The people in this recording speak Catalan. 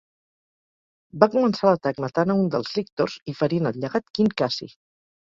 Va començar l'atac matant a un dels lictors i ferint al llegat Quint Cassi.